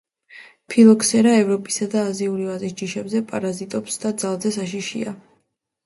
ფილოქსერა ევროპისა და აზიურ ვაზის ჯიშებზე პარაზიტობს და ძალზე საშიშია.